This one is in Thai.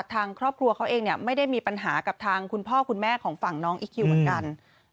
ทางครอบครัวเขาเองเนี่ยไม่ได้มีปัญหากับทางคุณพ่อคุณแม่ของฝั่งน้องอีคคิวเหมือนกัน